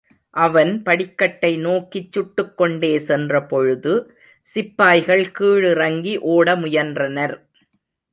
அவன் படிக்கட்டை நோக்கிச் சுட்டுக் கொண்டே சென்ற பொழுது சிப்பாய்கள் கீழிறங்கி ஓட முயன்றனர்.